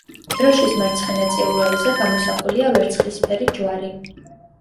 დროშის მარცხენა წილ ველზე გამოსახულია ვერცხლისფერი ჯვარი.